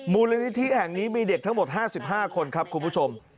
มูลนิธิแห่งนี้มีเด็กทั้งหมด๕๕คนครับคุณผู้ชม